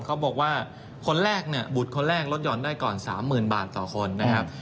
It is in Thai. เขาบอกว่าคนแรกเนี่ยบุตรคนแรกลดห่อนได้ก่อน๓๐๐๐บาทต่อคนนะครับ